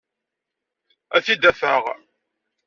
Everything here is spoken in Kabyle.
Ad t-id-afeɣ.